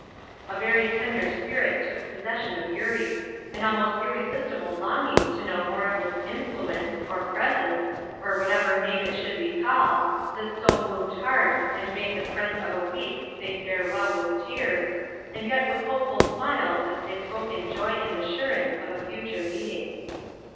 A very tender spirit took possession of Eurie an almost irresistible longing to know more of this influence, or presence, or whatever name it should be called, that so moved hearts, and made the friends of a week say farewell with tears, and yet with hopeful smiles as they spoke in joy and assurance of a future meeting.